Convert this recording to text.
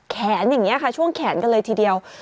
อย่างนี้ค่ะช่วงแขนกันเลยทีเดียว